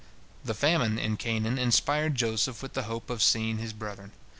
The famine in Canaan inspired Joseph with the hope of seeing his brethren.